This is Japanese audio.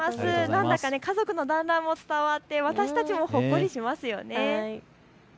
なんだか家族の団らんも伝わって私たちもほっこりしますよね。